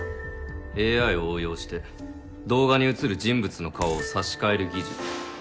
ＡＩを応用して動画に映る人物の顔を差し替える技術。